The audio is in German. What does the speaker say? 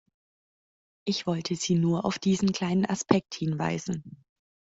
Ich wollte Sie nur auf diesen kleinen Aspekt hinweisen.